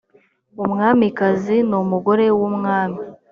umwamikazi n’umugore w’umwami.